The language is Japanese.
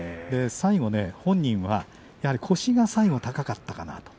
最後、本人はやはり腰が最後高かったかな。